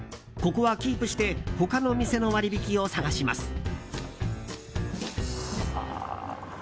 ここはキープして他の店の割引を探します。